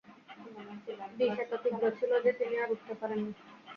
বিষ এত তীব্র ছিল যে, তিনি আর উঠতে পারেননি।